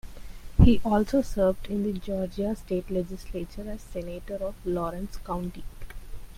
He also served in the Georgia state legislature as Senator of Laurens County.